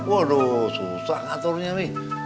waduh susah ngaturnya mih